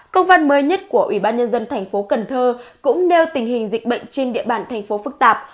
công văn mới nhất của ủy ban nhân dân thành phố cần thơ cũng nêu tình hình dịch bệnh trên địa bàn thành phố phức tạp